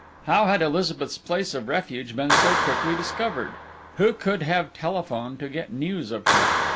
"How had Elizabeth's place of refuge been so quickly discovered?... Who could have telephoned to get news of her?"